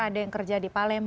ada yang kerja di palembang